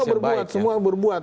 semua berbuat semua berbuat